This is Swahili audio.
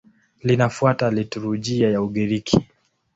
Linafuata liturujia ya Ugiriki.